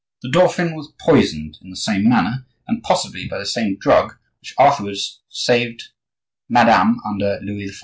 The dauphin was poisoned in the same manner, and possibly by the same drug which afterwards served MADAME under Louis XIV.